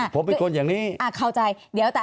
ผมเป็นคนอย่างนี้